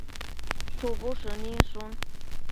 shubu shëninshun